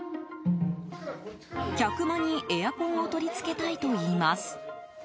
客間にエアコンを取り付けたいといいます。